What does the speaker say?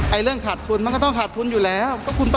เรื่องขาดทุนมันก็ต้องขาดทุนอยู่แล้ว